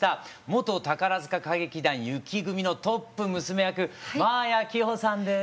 元宝塚歌劇団雪組のトップ娘役真彩希帆さんです。